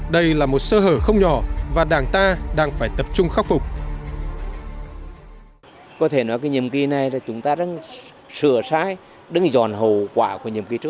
đây là một sơ hở không nhỏ và đảng ta đang phải tập trung khắc phục